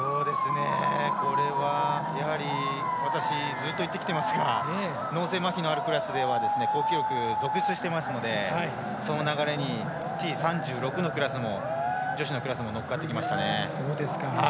これは、やはり私、ずっと言ってきてますが脳性まひのあるクラスでは好記録続出してますのでその流れにＴ３６のクラスも女子のクラスも乗っかってきましたね。